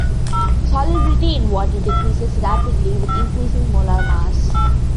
Solubility in water decreases rapidly with increasing molar mass.